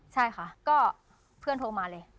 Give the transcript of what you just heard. ใช่ค่ะก็เพื่อนโทรมาเลย